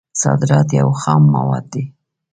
صادرات یې خام مواد دي.